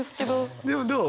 でもどう？